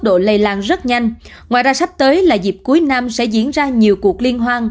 độ lây lan rất nhanh ngoài ra sắp tới là dịp cuối năm sẽ diễn ra nhiều cuộc liên hoan